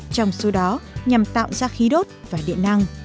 trong số đó nhằm tạo ra khí đốt và điện năng